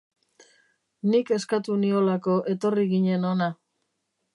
Nik eskatu niolako etorri ginen hona.